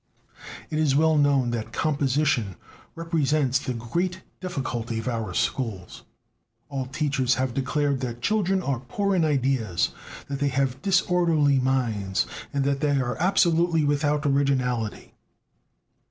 It is well known that "composition" represents the great difficulty of our schools. All teachers have declared that children are "poor in ideas," that they have "disorderly minds," that they are "absolutely without originality."